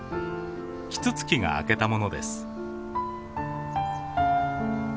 キツツキが開けたものです。